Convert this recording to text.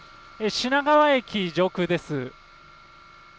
品川駅、上空です。